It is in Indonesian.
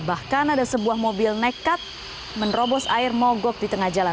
bahkan ada sebuah mobil nekat menerobos air mogok di tengah jalan